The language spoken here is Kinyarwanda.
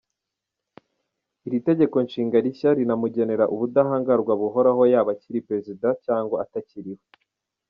Iri tegeko Nshinga rishya rinamugenera ubudahangarwa buhoraho yaba akiri Perezida cyangwa atakiri we.